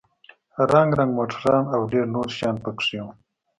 رنگ رنگ موټران او ډېر نور شيان پکښې وو.